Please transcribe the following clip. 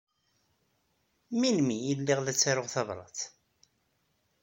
Melmi ay lliɣ la ttaruɣ tabṛat?